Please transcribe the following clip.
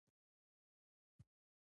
پښتو ستاسو په غږ ژوندۍ کېږي.